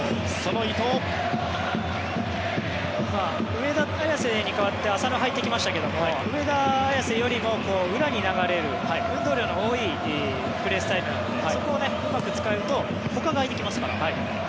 上田綺世に代わって浅野が入ってきましたが上田綺世よりも裏に流れる、運動量の多いプレースタイルなのでそこをうまく使うとほかが空いてきますから。